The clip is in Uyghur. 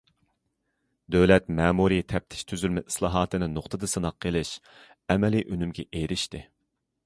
دۆلەت مەمۇرىي تەپتىش تۈزۈلمە ئىسلاھاتىنى نۇقتىدا سىناق قىلىش ئەمەلىي ئۈنۈمگە ئېرىشتى.